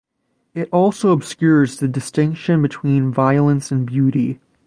It also obscures the distinction between violence and beauty.